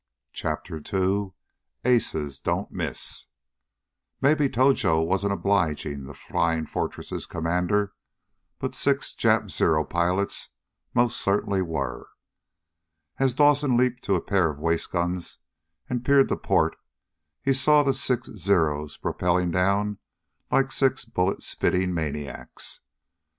CHAPTER TWO Aces Don't Miss Maybe Tojo wasn't obliging the Flying Fortress' commander, but six Jap Zero pilots most certainly were. As Dawson leaped to a pair of waist guns and peered to port, he saw the six Zeros prop piling down like six bullet spitting maniacs.